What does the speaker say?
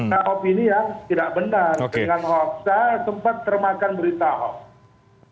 nah opini yang tidak benar dengan hoax tempat termakan berita hoax